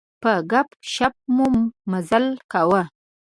په ګپ شپ مو مزال کاوه.